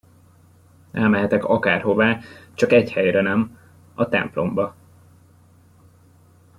Elmehetek akárhová, csak egy helyre nem: a templomba.